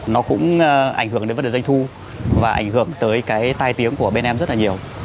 nó cũng ảnh hưởng đến vấn đề doanh thu và ảnh hưởng tới cái tai tiếng của bên em rất là nhiều